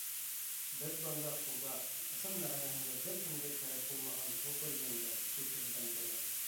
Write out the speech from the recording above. Беҙ бында ҡолдар, ысын мәғәнәһендә бер кемгә кәрәк булмаған һуҡыр йәндәр, күҙһеҙ бәндәләр.